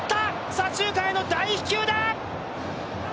左中間への大飛球だ！